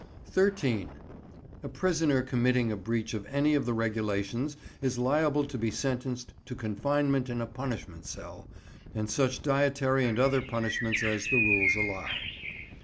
13. A prisoner committing a breach of any of the regulations is liable to be sentenced to confinement in a punishment cell, and such dietary and other punishments as the rules allow.